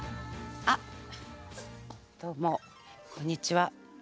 あっどうもこんにちは。